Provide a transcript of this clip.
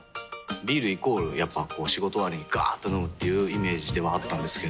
ビールイコールやっぱこう仕事終わりにガーっと飲むっていうイメージではあったんですけど。